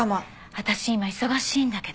私今忙しいんだけど。